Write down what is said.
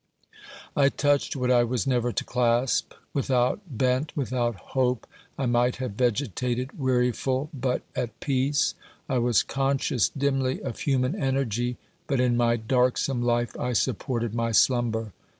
I touched what I was never to clasp. Without bent, without hope, I might have vegetated, weariful but at peace. I was conscious dimly of human energy, but in my darksome life I supported my slumber.